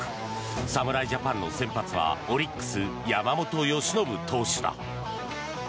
侍ジャパンの先発はオリックス山本由伸投手だ。